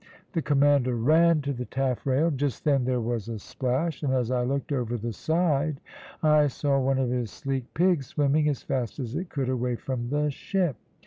The commander ran to the taffrail. Just then there was a splash, and as I looked over the side I saw one of his sleek pigs swimming as fast it could away from the ship.